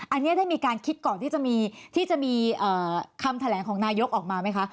อันนี้ได้มีการคิดก่อนที่จะมีคำแถลงของนายกออกมาไหมคะ